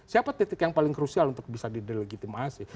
siapa titik yang paling krusial untuk bisa di delegitimasi